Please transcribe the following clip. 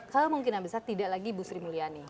kalau kemungkinan besar tidak lagi bu sri mulyani